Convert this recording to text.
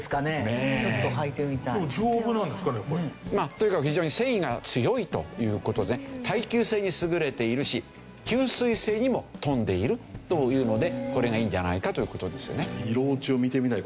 とにかく非常に繊維が強いという事で耐久性に優れているし吸水性にも富んでいるというのでこれがいいんじゃないかという事ですよね。